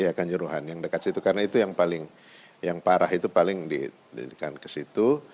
ya kanjuruhan yang dekat situ karena itu yang paling yang parah itu paling didirikan ke situ